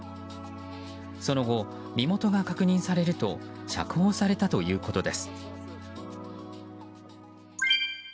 その後、身元が確認されると釈放されたということです。